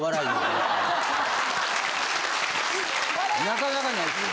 なかなかないですよ。